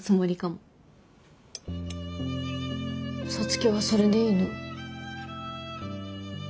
皐月はそれでいいの？